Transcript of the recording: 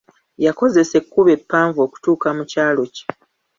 Yakozesa ekkubo eppanvu okutuuka mu kyalo kye.